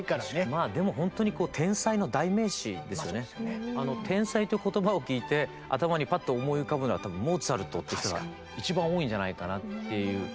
まあでもほんとに「天才」って言葉を聞いて頭にパッと思い浮かぶのはモーツァルトって人が一番多いんじゃないかなっていう。